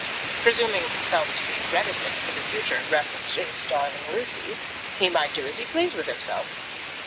Presuming himself to be reticent for the future in reference to his darling Lucy, he might do as he pleased with himself.